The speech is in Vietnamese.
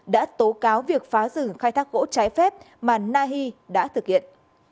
đã tố cáo việc phá rừng khai thác gỗ trái phép mà nahi đã thực hiện